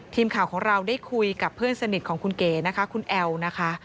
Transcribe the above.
ทีมข่าวของเราได้คุยกับเพื่อนสนิทของคุณเก๋นะคะคุณแอลนะคะ